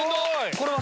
これは？